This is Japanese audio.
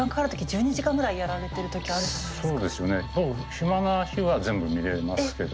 暇な日は全部見れますけど。